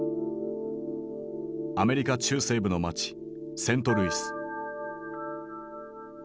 アメリカ中西部の街セントルイス。